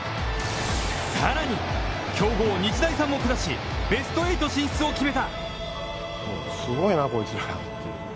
さらに、強豪・日大三を下しベスト８進出を決めた。